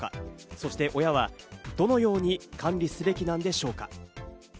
そして親はどのように管理すべきなんでしょうか？